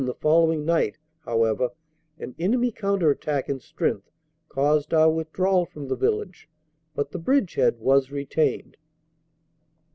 the following night, however, an enemy counter attack in strength caused our withdrawal from the village, but the bridgehead was retained.